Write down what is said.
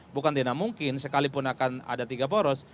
bukan tidak mungkin sekalipun akan ada tiga poros